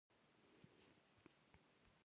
ځکه خو ټيلفون به يې هر وخت بند و.